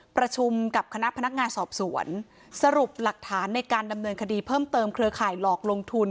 ประชุมกับคณะพนักงานสอบสวนสรุปหลักฐานในการดำเนินคดีเพิ่มเติมเครือข่ายหลอกลงทุน